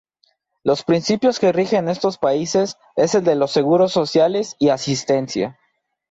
Los principios que rigen estos países es el de los seguros sociales y asistencia.